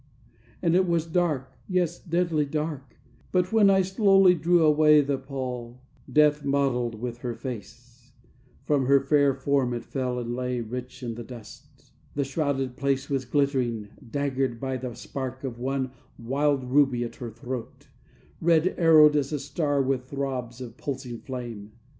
And it was dark, yes, deadly dark: But when I slowly drew away The pall, death modeled with her face, From her fair form it fell and lay Rich in the dust, the shrouded place Was glittering daggered by the spark Of one wild ruby at her throat, Red arrowed as a star with throbs Of pulsing flame.